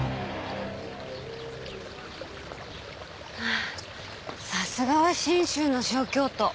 ああさすがは信州の小京都。